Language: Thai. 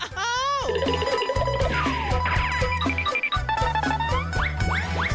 อ้าว